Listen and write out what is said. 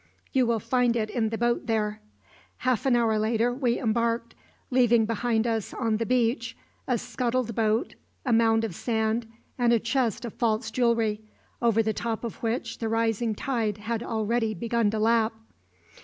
You will find it in the boat there." Half an hour later we embarked, leaving behind us on the beach a scuttled boat, a mound of sand, and a chest of false jewellery, over the top of which the rising tide had already begun to lap.